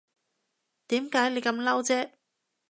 點解你咁嬲啫